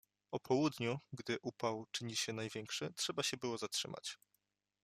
O południu, gdy upał czyni się największy, trzeba się było zatrzymać.